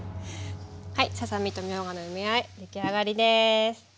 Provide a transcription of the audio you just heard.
はいささ身とみょうがの梅あえ出来上がりです！